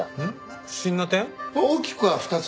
大きくは２つ。